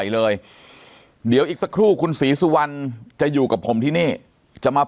เลยเดี๋ยวอีกสักครู่คุณศรีสุวรรณจะอยู่กับผมที่นี่จะมา